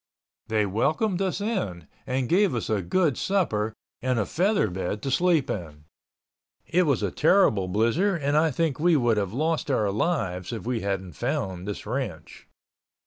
They welcomed us in and gave us a good supper and a feather bed to sleep in. It was a terrible blizzard and I think we would have lost our lives if we hadn't found this ranch.